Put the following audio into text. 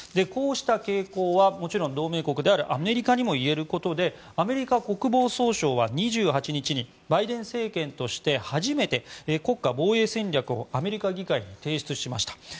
こうした傾向はもちろん同盟国であるアメリカにも言えることでアメリカ国防総省は２８日にバイデン政権として初めて国家防衛戦略をアメリカ議会に提出しました。